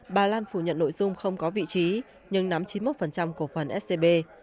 bà lan phủ nhận nội dung không có vị trí nhưng nắm chín mươi một cổ phần scb